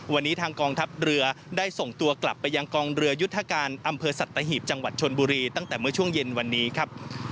วันนี้ทางกองทัพเรือได้ส่งตัวกลับไปยังกองเรือยุทธการอำเภอสัตหีบจังหวัดชนบุรีตั้งแต่เมื่อช่วงเย็นวันนี้ครับ